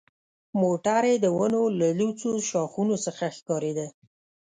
موټر یې د ونو له لوڅو ښاخونو څخه ښکارېده.